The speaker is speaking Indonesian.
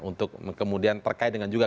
untuk kemudian terkait dengan juga